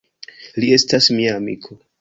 Li estas mia amiko.